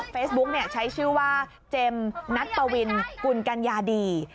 เฟซบุ๊คเนี่ยใช้ชื่อว่าเจมส์นัทปวินกุลกัญญาดี